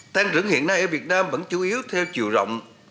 tăng trưởng hiện nay ở việt nam vẫn chủ yếu theo chiều rộng